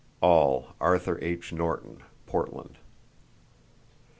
—(All Arthur H. Norton, Portland.)